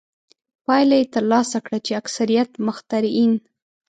پایله یې ترلاسه کړه چې اکثریت مخترعین.